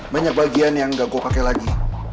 banyak bagian yang gak gue pakai lagi